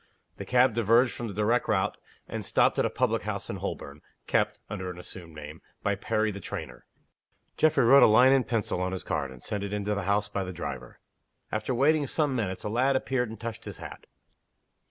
The cab diverged from the direct route, and stopped at a public house in Holborn, kept (under an assumed name) by Perry the trainer. Geoffrey wrote a line in pencil on his card, and sent it into the house by the driver. After waiting some minutes, a lad appeared and touched his hat.